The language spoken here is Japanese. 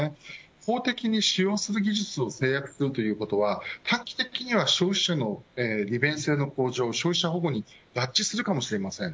法的に、使用する技術を制約するということは、短期的には消費者の利便性の向上消費者保護に合致するかもしれません。